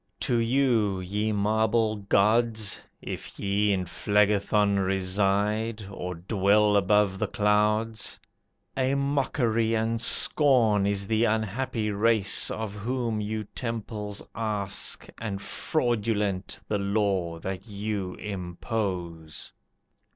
To you, ye marble gods (If ye in Phlegethon reside, or dwell Above the clouds), a mockery and scorn Is the unhappy race, Of whom you temples ask, And fraudulent the law that you impose.